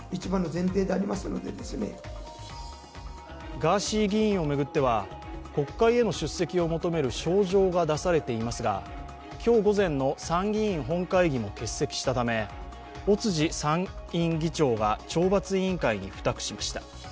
ガーシー議員を巡っては国会への出席を求める招状が出されていますが今日午前の参議院本会議も欠席したため、尾辻参院議長が懲罰委員会に付託しました。